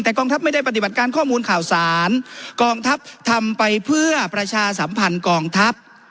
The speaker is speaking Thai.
แต่กองทัพไม่ได้ปฏิบัติการข้อมูลข่าวสารกองทัพทำไปเพื่อประชาสัมพันธ์กองทัพ